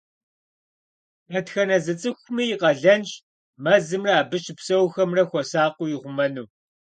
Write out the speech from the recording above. Дэтхэнэ зы цӀыхуми и къалэнщ мэзымрэ абы щыпсэухэмрэ хуэсакъыу ихъумэну.